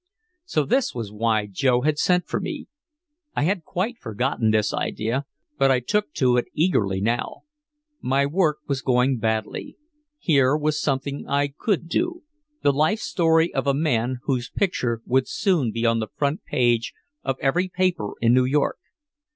So this was why Joe had sent for me. I had quite forgotten this idea, but I took to it eagerly now. My work was going badly. Here was something I could do, the life story of a man whose picture would soon be on the front page of every paper in New York.